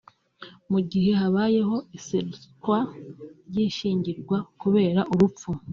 Mu gihe habayeho iseswa ry’ishyingirwa kubera urupfu